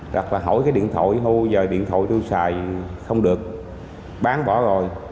đặc là hỏi cái điện thoại hô giờ điện thoại tôi xài không được bán bỏ rồi